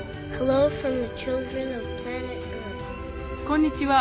「こんにちは。